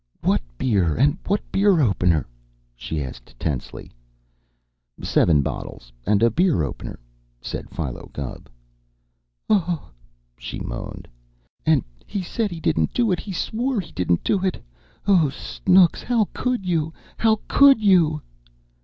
"What beer and what beer opener?" she asked tensely. "Seven bottles and a beer opener," said Philo Gubb. "Oh!" she moaned. "And he said he didn't do it! He swore he didn't do it! Oh, Snooks, how could you how could you!"